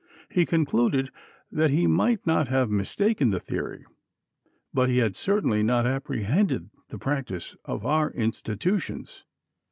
He concluded that he might not have mistaken the theory, but he had certainly not apprehended the practice of our institutions.